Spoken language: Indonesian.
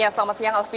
selamat siang alfian